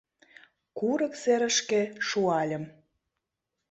Курык серышке шуальым.